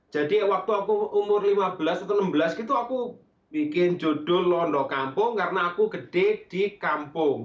jadi waktu aku umur lima belas atau enam belas gitu aku bikin judul londo kampung karena aku gede di kampung